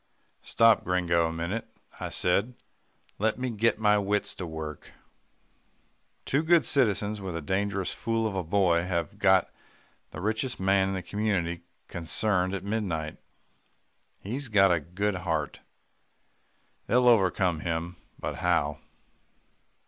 "Stop, Gringo, a minute," I said. "Let me get my wits to work. Two good citizens with a dangerous fool of a boy have got the richest man in the community cornered at midnight. He's got a good heart. They'll overcome him, but how?